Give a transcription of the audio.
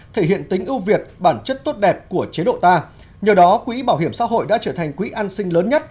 thể hiện tính ưu việt bản chất tốt đẹp của chế độ ta nhờ đó quỹ bảo hiểm xã hội đã trở thành quỹ an sinh lớn nhất